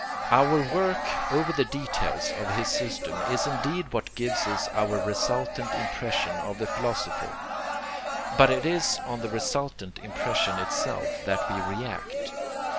Our work over the details of his system is indeed what gives us our resultant impression of the philosopher, but it is on the resultant impression itself that we react.